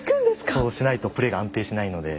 そうしないとプレイが安定しないので。